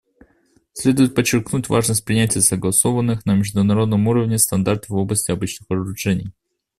Следует подчеркнуть важность принятия согласованных на международном уровне стандартов в области обычных вооружений.